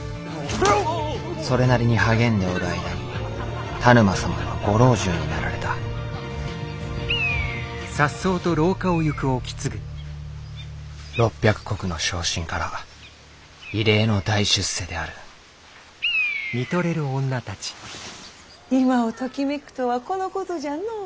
それなりに励んでおる間に田沼様はご老中になられた６００石の小身から異例の大出世である今をときめくとはこのことじゃの。